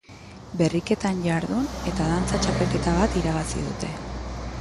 Berriketan jardun eta dantza txapelketa bat irabazi dute.